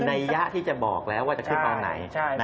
น่าจะต้องขึ้น